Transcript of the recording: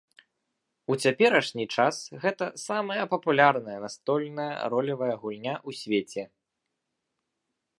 У цяперашні час гэта самая папулярная настольная ролевая гульня ў свеце.